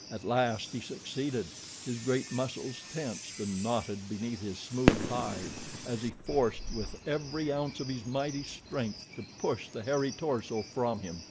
At last he succeeded his great muscles tensed and knotted beneath his smooth hide as he forced with every ounce of his mighty strength to push the hairy torso from him.